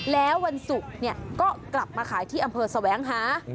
แล้ววันศุกร์ก็กลับมาขายที่อำเภอแสวงหา